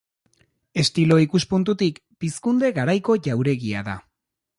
Estilo ikuspuntutik pizkunde garaiko jauregia da.